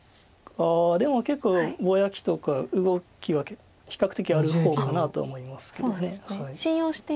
でも結構ぼやきとか動きは比較的ある方かなとは思いますけど。